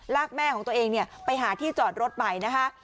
ลากแม่ของตัวเองเนี้ยไปหาที่จอดรถไปนะคะ